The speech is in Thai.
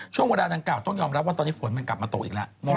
ช่วงเวลาดังกล่าต้องยอมรับว่าตอนนี้ฝนมันกลับมาตกอีกแล้ว